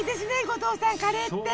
後藤さんカレーって。